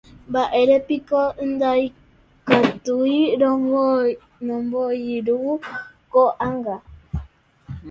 Mba'érepiko ndaikatúi romoirũ ko'ág̃a